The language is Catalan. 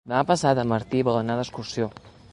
Demà passat en Martí vol anar d'excursió.